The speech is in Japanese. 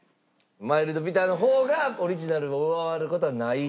マイルドビターの方がオリジナルを上回る事はないと？